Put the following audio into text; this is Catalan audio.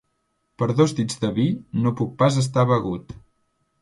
Per dos dits de vi, no puc pas estar begut.